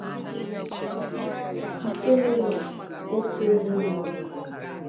nke nọ n’otu ezinaụlọ